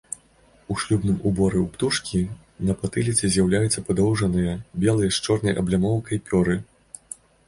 У шлюбным уборы ў птушкі на патыліцы з'яўляюцца падоўжаныя, белыя з чорнай аблямоўкай пёры.